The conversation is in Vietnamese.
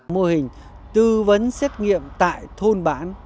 mô hình tư vấn xét nghiệm tại thôn bản